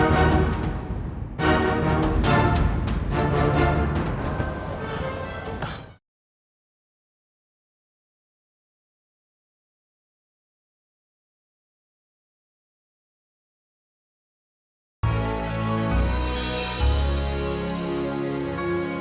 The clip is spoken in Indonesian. ungunnymu yang saya harikan